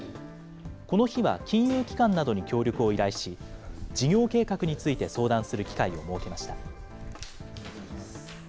この日は金融機関などに協力を依頼し、事業計画について相談する機会を設けました。